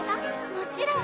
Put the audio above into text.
もちろん。